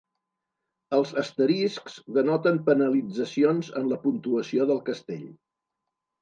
Els asteriscs denoten penalitzacions en la puntuació del castell.